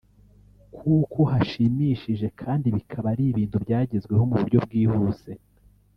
kuko hashimishije kandi bikaba ari ibintu byagezweho mu buryo bwihuse